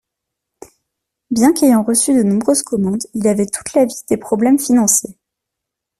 Bien qu'ayant reçu de nombreuses commandes, il avait toute la vie des problèmes financiers.